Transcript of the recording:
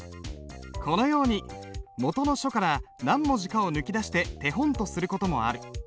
このようにもとの書から何文字かを抜き出して手本とする事もある。